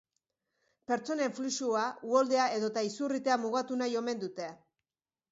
Pertsonen fluxua, uholdea edota izurritea mugatu nahi omen dute.